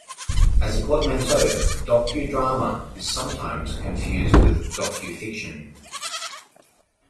As a portmanteau, "docudrama" is sometimes confused with docufiction.